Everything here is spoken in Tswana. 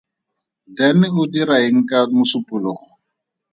Dan o dira eng ka Mosupologo?